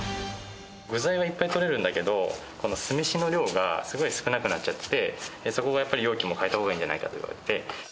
具材はいっぱい取れるんだけど、この酢飯の量がすごい少なくなっちゃって、そこがやっぱり容器も変えたほうがいいんじゃないかと言われて。